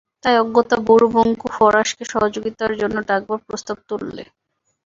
তাই অগত্যা বুড়ো বঙ্কু ফরাশকে সহযোগিতার জন্যে ডাকবার প্রস্তাব তুললে।